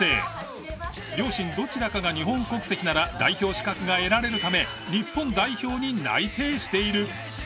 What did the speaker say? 両親どちらかが日本国籍なら代表資格が得られるため日本代表に内定している。